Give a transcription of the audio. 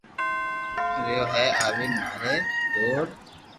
ريو ي آوين ماري نو ر